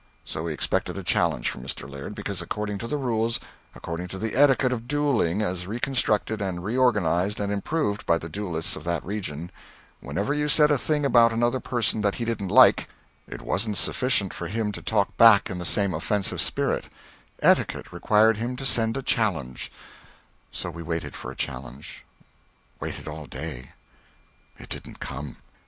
So we expected a challenge from Mr. Laird, because according to the rules according to the etiquette of duelling as reconstructed and reorganized and improved by the duellists of that region whenever you said a thing about another person that he didn't like, it wasn't sufficient for him to talk back in the same offensive spirit: etiquette required him to send a challenge; so we waited for a challenge waited all day. It didn't come.